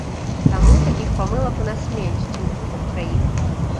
Таму, такіх памылак у нас менш, чым чутак пра іх.